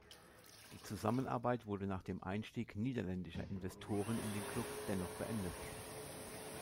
Die Zusammenarbeit wurde nach dem Einstieg niederländischer Investoren in den Klub dennoch beendet.